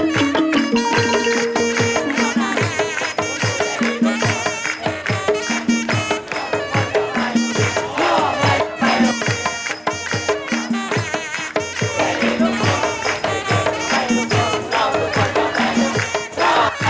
น้องปีนนะน้องปีนนะครับ